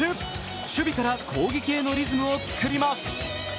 守備から攻撃へのリズムを作ります。